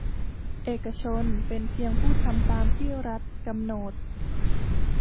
เอกชนเป็นเพียงผู้ทำตามที่รัฐกำหนด